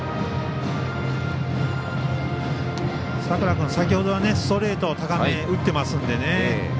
佐倉君、先ほどはストレート高め打っていますのでね